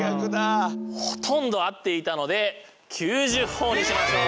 ほとんど合っていたので９０ほぉにしましょう。